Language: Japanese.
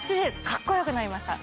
カッコよくなりました